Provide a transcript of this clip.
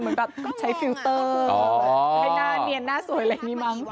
เหมือนแบบใช้ฟิลเตอร์ให้หน้าเนียนหน้าสวยอะไรอย่างนี้มั้ง